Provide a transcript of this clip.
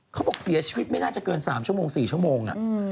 เขาบอกเสียชีวิตไม่น่าจะเกิน๓๔ชั่วโมง